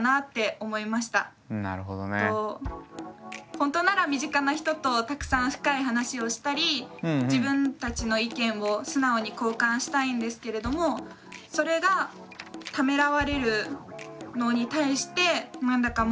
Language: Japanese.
ほんとなら身近な人とたくさん深い話をしたり自分たちの意見を素直に交換したいんですけれどもそれがためらわれるのに対して何だかモンモンするような気がします。